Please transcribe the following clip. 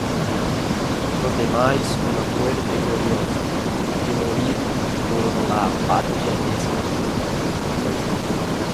no temais una muerte gloriosa que morir por la patria es vivir